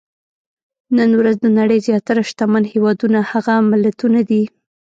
نن ورځ د نړۍ زیاتره شتمن هېوادونه هغه ملتونه دي.